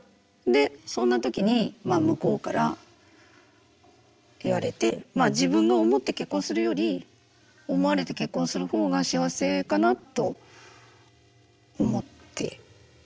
でそんな時に向こうから言われてまあ自分が思って結婚するより思われて結婚するほうが幸せかなと思ってまあ結婚したっていう。